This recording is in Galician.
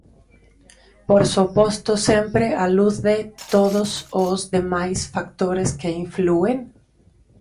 Por suposto, sempre á luz de todos os demais factores que inflúen.